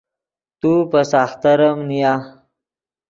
تو پے ساختریم نیا